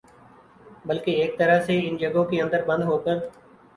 بلکہ ایک طرح سے ان جگہوں کے اندر بند ہوکر